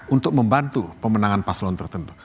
untuk membantu pemenangan paslon tertentu